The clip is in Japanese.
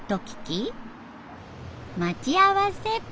待ち合わせ。